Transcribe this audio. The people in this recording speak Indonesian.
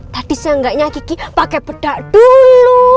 tadi seenggaknya kiki pakai pedak dulu